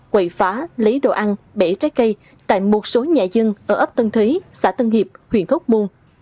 quậy phá lấy đồ ăn bể trái cây tại một số nhà dân ở ấp tân thúy xã tân hiệp huyện khốc môn